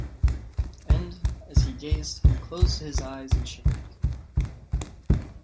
And, as he gazed, he closed his eyes and shivered.